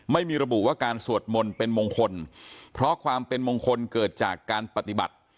ไม่มีระบุว่าการสวดมนต์เป็นมงคลเพราะความเป็นมงคลเกิดจากการปฏิบัติ